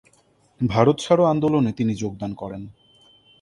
ভারত ছাড়ো আন্দোলনে তিনি যোগদান করেন।